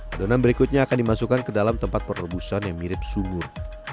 adonan berikutnya akan dimasukkan ke dalam tempat perebusan yang mirip sumur